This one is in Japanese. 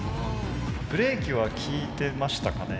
ブレーキは利いてましたかね？